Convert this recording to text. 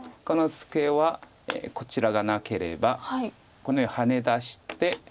このツケはこちらがなければこのようにハネ出して。